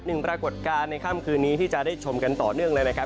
ปรากฏการณ์ในค่ำคืนนี้ที่จะได้ชมกันต่อเนื่องเลยนะครับ